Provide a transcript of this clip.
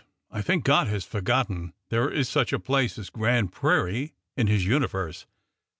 I think God has forgotten there is such a place as Grand Prairie in His universe